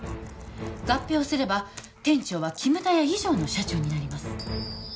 合併をすれば店長はキムタヤ以上の社長になります